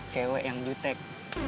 cewek yang jutek